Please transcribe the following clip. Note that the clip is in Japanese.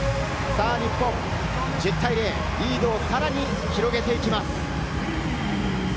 日本１０対０、リードをさらに広げていきます。